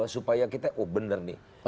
supaya kita oh benar nih